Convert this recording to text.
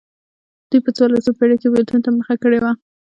دوی په څوارلسمه پېړۍ کې بېلتون ته مخه کړې وه.